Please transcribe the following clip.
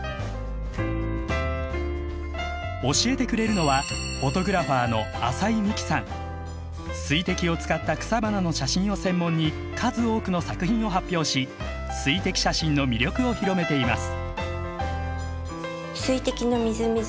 教えてくれるのは水滴を使った草花の写真を専門に数多くの作品を発表し水滴写真の魅力を広めています。